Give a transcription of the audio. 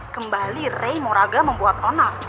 kembali ray moraga membuat onar